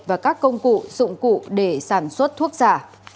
và các công cụ dụng cụ để sản xuất thuốc giả